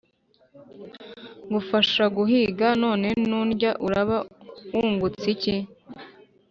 ngufasha guhiga, none nundya uraba wungutse iki ”